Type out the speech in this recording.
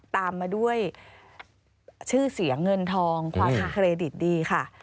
ตามมาด้วยชื่อเสียงเงินทองความเครดิตดีค่ะ